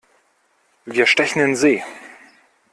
Wir stechen in See!